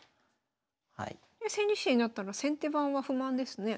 千日手になったら先手番は不満ですね。